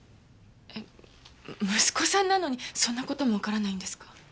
えっ息子さんなのにそんな事もわからないんですか？